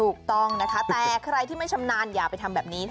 ถูกต้องนะคะแต่ใครที่ไม่ชำนาญอย่าไปทำแบบนี้